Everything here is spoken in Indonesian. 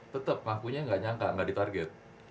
tetep makunya gak nyangka gak di target